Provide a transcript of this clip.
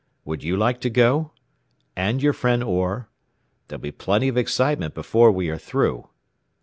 Would you like to go? and your friend Orr? There'll be plenty of excitement before we are through."